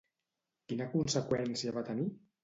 Quina conseqüència va tenir?